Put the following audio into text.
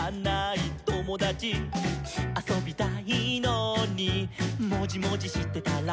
「あそびたいのにもじもじしてたら」